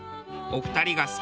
お二人が。